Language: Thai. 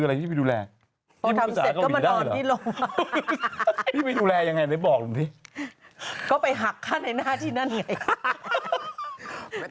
เออพี่ไปดูแลอย่างไงครับ